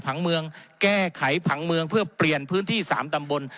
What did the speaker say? ผังเมืองแก้ไขผังเมืองเพื่อเปลี่ยนพื้นที่๓ตำบล